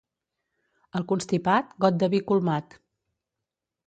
Al constipat, got de vi colmat.